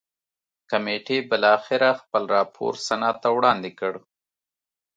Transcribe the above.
کمېټې بالاخره خپل راپور سنا ته وړاندې کړ.